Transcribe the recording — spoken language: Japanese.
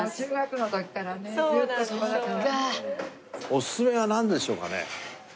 オススメはなんでしょうかね？